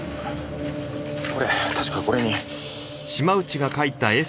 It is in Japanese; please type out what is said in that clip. これ確かこれに。